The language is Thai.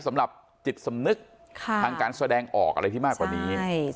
สำหรับจิตสำนึกทางการแสดงออกอะไรที่มากกว่านี้